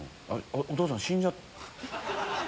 お父さん死んじゃった？